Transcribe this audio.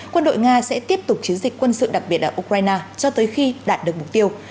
quân đội nga sẽ tiếp tục chiến dịch quân sự đặc biệt ở ukraine cho tới khi đạt được mục tiêu